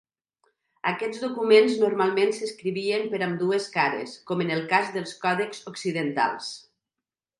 Aquests documents normalment s'escrivien per ambdues cares, com en el cas dels còdexs occidentals.